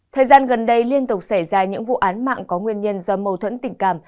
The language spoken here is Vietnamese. thời gian gần đây liên tục xảy ra những vụ án mạng có nguyên nhân do mâu thuẫn tình cảm